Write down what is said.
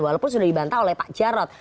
walaupun sudah dibantah oleh pak jarod